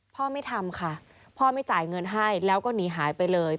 ไม่ทำค่ะพ่อไม่จ่ายเงินให้แล้วก็หนีหายไปเลย